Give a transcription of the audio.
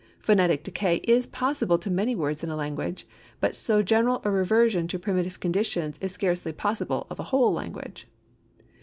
Phonetic decay is possible to many words in a language, but so general a reversion to primitive conditions is scarcely possible of a whole language.